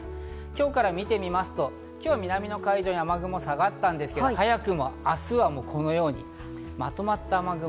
今日から見てみますと今日、南の海上に雨雲が下がったんですが、早くも明日はこのようにまとまった雨雲。